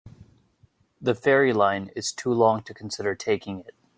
The ferry line is too long to consider taking it.